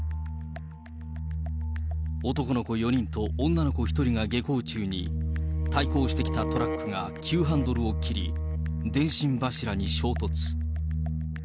男の子４人と女の子１人が下校中に、対向してきたトラックが急ハンドルを切り、電信柱に衝突。